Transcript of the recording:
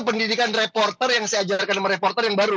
pendidikan reporter yang saya ajarkan sama reporter yang baru